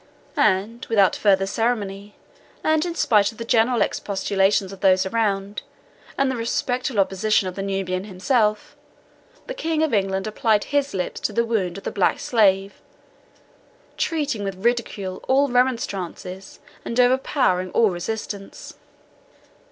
And without further ceremony, and in spite of the general expostulations of those around, and the respectful opposition of the Nubian himself, the King of England applied his lips to the wound of the black slave, treating with ridicule all remonstrances, and overpowering all resistance.